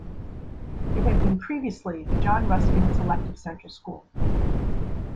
It had been previously the John Ruskin Selective Central School.